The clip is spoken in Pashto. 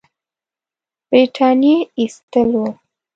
برټانیې ایستل وو.